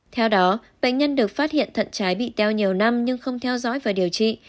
theo đó bệnh nhân được phát hiện thận trái bị teo nhiều năm nhưng không theo dõi và điều trị